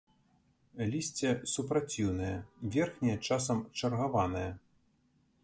Лісце супраціўнае, верхняе часам чаргаванае.